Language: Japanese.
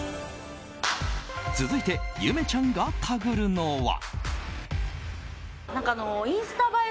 続いてゆめちゃんがタグるのは。